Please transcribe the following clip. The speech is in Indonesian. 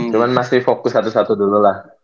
cuma masih fokus satu satu dulu lah